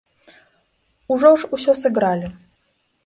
Ужо ж усё сыгралі!